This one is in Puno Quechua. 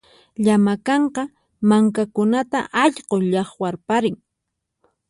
Llama kanka mankakunata allqu llaqwarparin